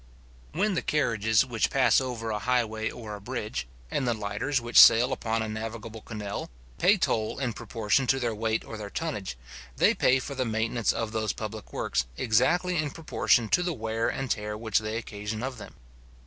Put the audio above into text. When the carriages which pass over a highway or a bridge, and the lighters which sail upon a navigable canal, pay toll in proportion to their weight or their tonnage, they pay for the maintenance of those public works exactly in proportion to the wear and tear which they occasion of them.